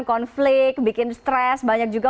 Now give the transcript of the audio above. konflik bikin stres banyak juga